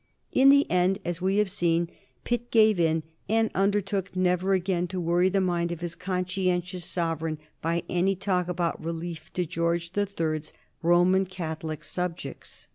In the end, as we have seen, Pitt gave in and undertook never again to worry the mind of his conscientious sovereign by any talk about relief to George the Third's Roman Catholic subjects.